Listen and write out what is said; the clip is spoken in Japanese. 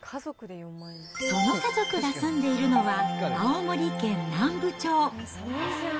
その家族が住んでいるのは、青森県南部町。